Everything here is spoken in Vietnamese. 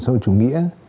xã hội chủ nghĩa